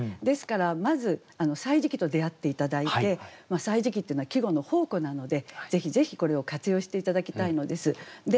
ですからまず「歳時記」と出会って頂いて「歳時記」っていうのは季語の宝庫なのでぜひぜひこれを活用して頂きたいのです。